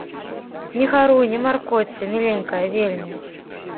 Не гаруй, не маркоцься, міленькая, вельмі.